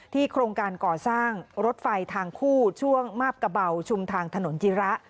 โครงการก่อสร้างรถไฟทางคู่ช่วงมาบกระเบาชุมทางถนนจิระ